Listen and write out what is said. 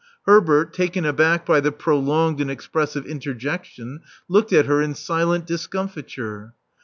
Herbert, taken aback by the prolonged and expressive interjection, looked at her in silent discomfiture.